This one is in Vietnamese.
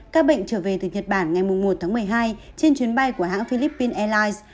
các bệnh trở về từ nhật bản ngày một tháng một mươi hai trên chuyến bay của hãng philippines airlines